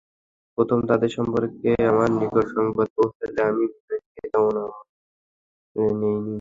প্রথম তাদের সম্পর্কে আমার নিকট সংবাদ পৌঁছলে আমি বিষয়টিকে তেমন আমলে নিইনি।